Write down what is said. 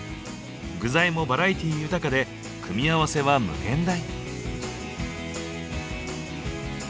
具材もバラエティー豊かで組み合わせは無限大。